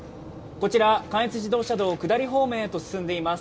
こちら関越自動車道を下り方面へと進んでいます。